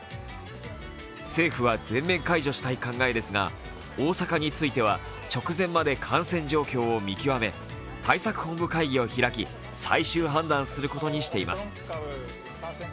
政府は全面解除したい考えですが、大阪については直前まで、感染状況を見極め対策本部会議を開き、最終判断することにしています。